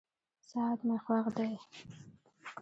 ساعت مي خوښ دی.